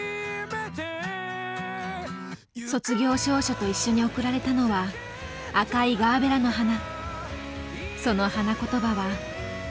卒業証書と一緒に贈られたのは赤いガーベラの花。